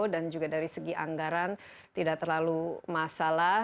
dan juga dari segi anggaran tidak terlalu masalah